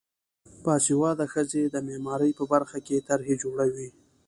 باسواده ښځې د معماری په برخه کې طرحې جوړوي.